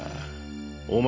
お前